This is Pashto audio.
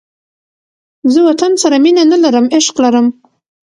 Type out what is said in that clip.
زه وطن سره مینه نه لرم، عشق لرم